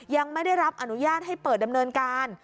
ยังไม่ได้รับอนุญาตให้เปิดดำเนินการ